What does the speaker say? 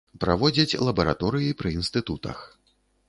Праводзяць лабараторыі пры інстытутах.